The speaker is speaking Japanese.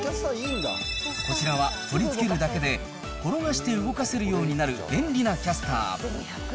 こちらは取り付けるだけで、転がして動かせるようになる便利なキャスター。